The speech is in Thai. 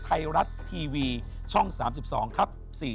ไทยรัฐทีวีช่อง๓๒ครับ